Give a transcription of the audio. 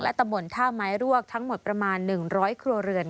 ตำบลท่าไม้รวกทั้งหมดประมาณ๑๐๐ครัวเรือน